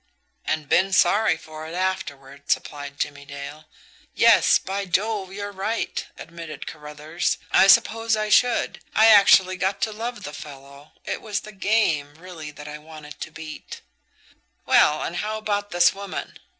"And been sorry for it afterward," supplied Jimmie Dale. "Yes, by Jove, you're right!" admitted Carruthers, "I suppose I should. I actually got to love the fellow it was the GAME, really, that I wanted to beat." "Well, and how about this woman?